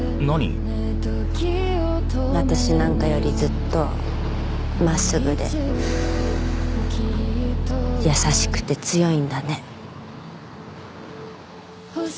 私なんかよりずっと真っすぐで優しくて強いんだね。